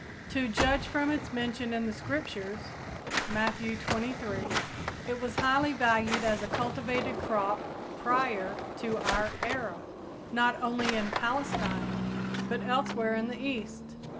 To judge from its mention in the Scriptures (Matthew xxiii, 23), it was highly valued as a cultivated crop prior to our era, not only in Palestine, but elsewhere in the East.